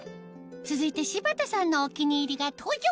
続いて柴田さんのお気に入りが登場！